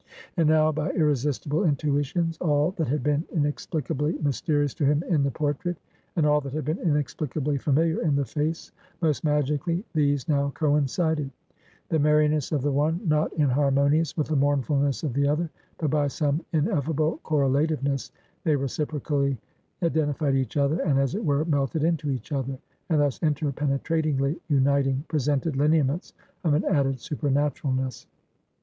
And now, by irresistible intuitions, all that had been inexplicably mysterious to him in the portrait, and all that had been inexplicably familiar in the face, most magically these now coincided; the merriness of the one not inharmonious with the mournfulness of the other, but by some ineffable correlativeness, they reciprocally identified each other, and, as it were, melted into each other, and thus interpenetratingly uniting, presented lineaments of an added supernaturalness.